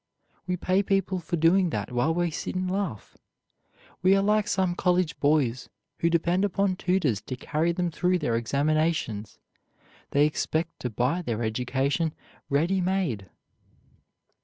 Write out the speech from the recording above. We pay people for doing that while we sit and laugh. We are like some college boys, who depend upon tutors to carry them through their examinations they expect to buy their education ready made.